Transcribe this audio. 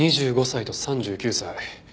２５歳と３９歳。